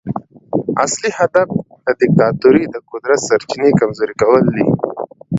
اصلي هدف د دیکتاتورۍ د قدرت سرچینې کمزوري کول دي.